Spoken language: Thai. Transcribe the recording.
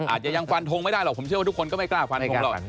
อาจจะยังฟันทงไม่ได้หรอกผมเชื่อว่าทุกคนก็ไม่กล้าฟันทงหรอก